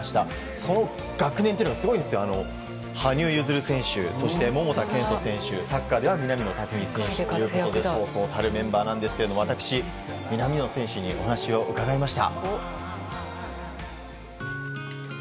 その学年がすごくて羽生結弦選手、桃田賢斗選手サッカーでは南野拓実選手ということでそうそうたるメンバーですが私、南野選手にお話を伺いました。